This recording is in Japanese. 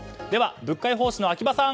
物価予報士の秋葉さん